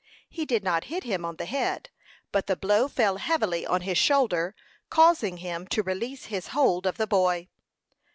He did not hit him on the head, but the blow fell heavily on his shoulder, causing him to release his hold of the boy.